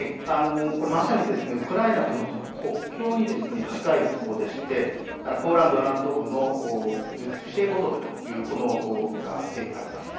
まさにウクライナとの国境に近いところでポーランド南東部のプシェボドフという村になります。